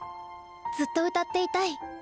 ずっと歌っていたい。